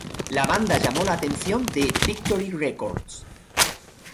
La banda llamó la atención de Victory Records.